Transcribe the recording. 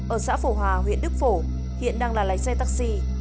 ở xã phổ hòa huyện đức phổ hiện đang là lái xe taxi